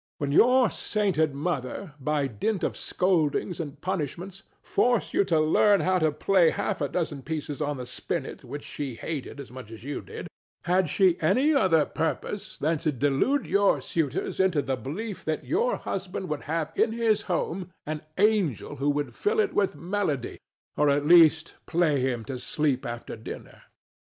When your sainted mother, by dint of scoldings and punishments, forced you to learn how to play half a dozen pieces on the spinet which she hated as much as you did had she any other purpose than to delude your suitors into the belief that your husband would have in his home an angel who would fill it with melody, or at least play him to sleep after dinner?